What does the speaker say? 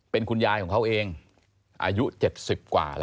เป็นคุณยายของเขาเองอายุ๗๐กว่าแล้ว